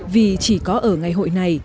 vì chỉ có ở ngày hội này